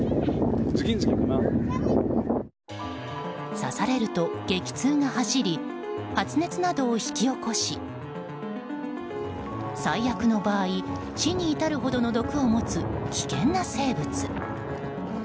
刺されると、激痛が走り発熱などを引き起こし最悪の場合、死に至るほどの毒を持つ危険な生物。